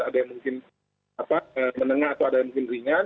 ada yang mungkin menengah atau ada yang mungkin ringan